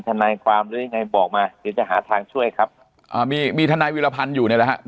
ทนายความหรือยังไงบอกมาเดี๋ยวจะหาทางช่วยครับอ่ามีมีทนายวิรพันธ์อยู่เนี่ยแหละฮะ